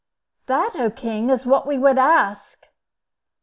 "That, O king, is what we would ask."